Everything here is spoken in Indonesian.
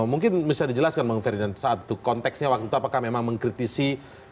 mungkin bisa dijelaskan bang ferdinand saat itu konteksnya waktu itu apakah memang mengkritisi